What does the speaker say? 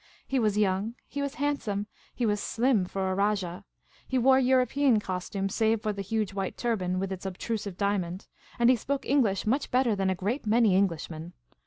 He was young ; he was handsome ; he was slim, for a rajah ; he wore European costume, save for the huge white turban with its obtrusive diamond ; and he spoke English much better than a great many Englishmen.